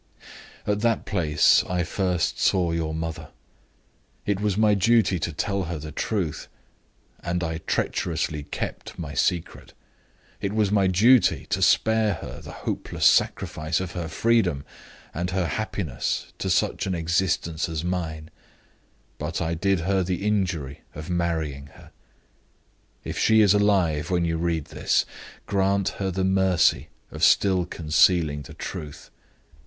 "At that place I first saw your mother. It was my duty to tell her the truth and I treacherously kept my secret. It was my duty to spare her the hopeless sacrifice of her freedom and her happiness to such an existence as mine and I did her the injury of marrying her. If she is alive when you read this, grant her the mercy of still concealing the truth.